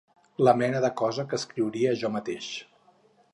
La mena de cosa que escriuria jo mateix.